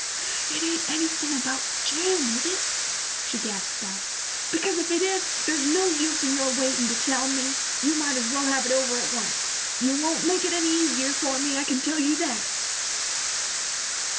"It ain't anythin' about Jim, is it?" she gasped out. "Because if it is, there's no use in your waitin' to tell me, you might as well have it over at once. You won't make it any easier for me, I can tell you that."